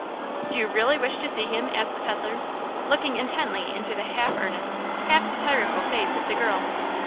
"Do you really wish to see him?" asked the peddler, looking intently into the half earnest, half satirical face of the girl.